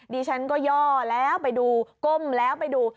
ดิฉันก็ย่อแล้วไปดูก้มแล้วไปดู